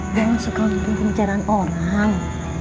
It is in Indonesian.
bukan suka ngikutin pencerahan orang